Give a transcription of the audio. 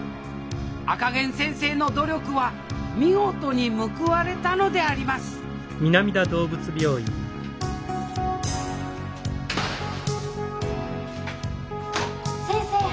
赤ゲン先生の努力は見事に報われたのであります先生！